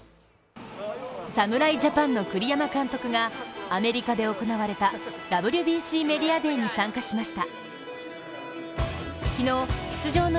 侍ジャパンの栗山監督がアメリカで行われたＷＢＣメディアデーに参加しました。